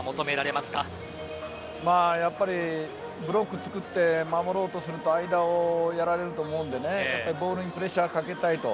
まあやっぱりブロックつくって守ろうとすると間をやられると思うのでボールにプレッシャーかけたいと。